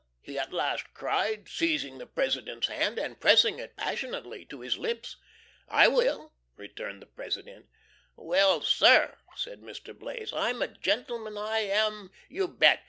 he at last cried, seizing the President's hand and pressing it passionately to his lips. "I will," returned the President. "Well, sir," said Mr. Blaze, "I'm a gentleman, I AM, you bet!